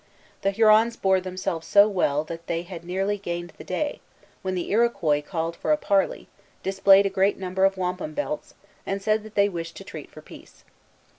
The Hurons bore themselves so well that they had nearly gained the day, when the Iroquois called for a parley, displayed a great number of wampum belts, and said that they wished to treat for peace.